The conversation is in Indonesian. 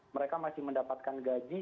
mereka masih mendapatkan gaji